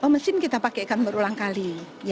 mesin kita pakaikan berulang kali